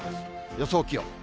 予想気温。